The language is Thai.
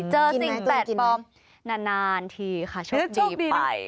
เจอสิ่งแปดปลอมนานทีค่ะโชคดีไป